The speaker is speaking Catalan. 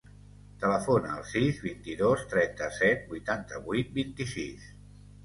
Telefona al sis, vint-i-dos, trenta-set, vuitanta-vuit, vint-i-sis.